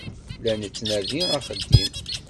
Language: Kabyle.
La nettnadi axeddim.